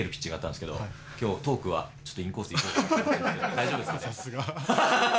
大丈夫ですかね？